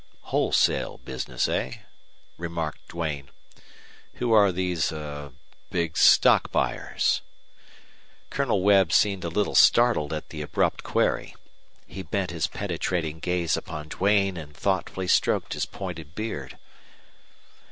"Wholesale business, eh?" remarked Duane. "Who are these er big stock buyers?" Colonel Webb seemed a little startled at the abrupt query. He bent his penetrating gaze upon Duane and thoughtfully stroked his pointed beard.